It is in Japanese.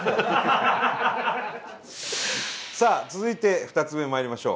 さあ続いて２つ目まいりましょう。